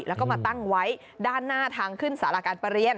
แล้วก็มาตั้งไว้ด้านหน้าทางขึ้นสาราการประเรียน